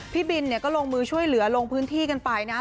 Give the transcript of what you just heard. พี่บินเนี่ยก็ลงมือช่วยเหลือลงพื้นที่กันไปนะ